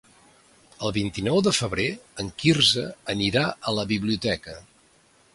El vint-i-nou de febrer en Quirze anirà a la biblioteca.